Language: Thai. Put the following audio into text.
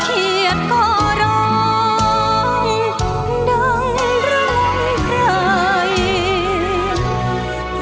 เคียดก็ร้องดังร่วมใคร